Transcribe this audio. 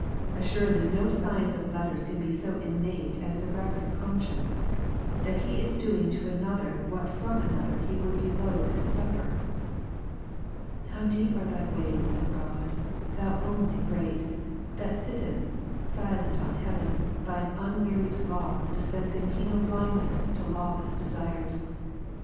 Assuredly no science of letters can be so innate as therecordof conscience, "that he isdoing to another what from another he wouldbe loath to suffer." How deep are Thy ways, O God, Thou only greoXythat sittest silent on high, Is. 33, 5. and by an unwearied law dispensing penal blindness to law less desires.